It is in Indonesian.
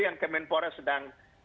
yang kemenpora sedang